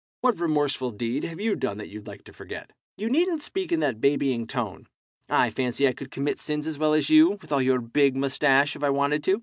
"What remorseful deed have you done that you'd like to forget?" "You needn't speak in that babying tone. I fancy I could commit sins as well as you, with all your big moustache, if I wanted to.